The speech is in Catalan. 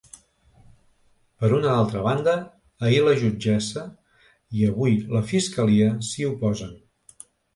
Per una altra banda, ahir la jutgessa i avui la fiscalia s’hi oposen.